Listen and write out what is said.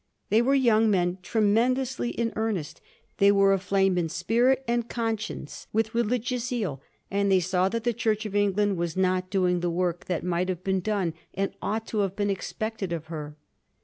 They were young men tremendously in earnest; they were aflame in spirit and conscience with religious zeal ; and they saw that the Church of England was not doing the work that might have been and ought to have been expected of her.